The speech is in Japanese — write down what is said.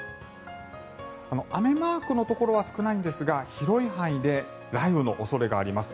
雨マークのところは少ないんですが広い範囲で雷雨の恐れがあります。